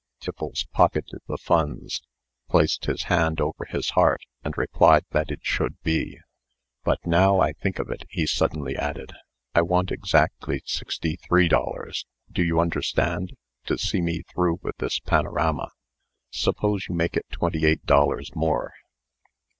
Tiffles pocketed the funds, placed his hand over his heart, and replied that it should be. "But, now I think of it," he suddenly added, "I want exactly sixty three dollars do you understand? to see me through with this panorama. Suppose you make it twenty eight dollars more."